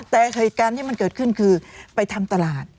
แต่เหตุการณ์ที่มันเกิดขึ้นคือไปทำตลาด